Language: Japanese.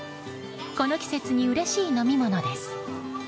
この季節にうれしい飲み物です。